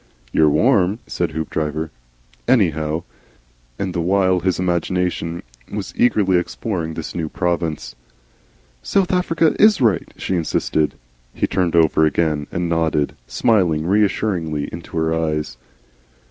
"You're warm," said Hoopdriver, "anyhow," and the while his imagination was eagerly exploring this new province. "South Africa IS right?" she insisted. He turned over again and nodded, smiling reassuringly into her eyes.